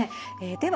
では